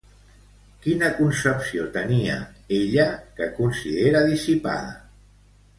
Quina concepció tenia, ella, que considera dissipada?